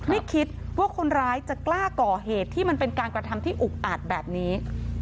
ไม่คิดว่าคนร้ายจะกล้าก่อเหตุที่มันเป็นการกระทำที่อุกอาจแบบนี้